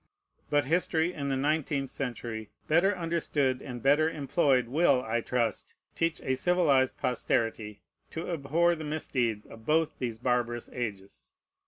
But history in the nineteenth century, better understood and better employed, will, I trust, teach a civilized posterity to abhor the misdeeds of both these barbarous ages.